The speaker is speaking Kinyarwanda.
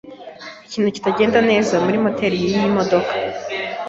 Ikintu kitagenda neza kuri moteri yiyi modoka.